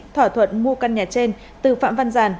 thỏa thuận mua căn nhà trên từ phạm văn giàn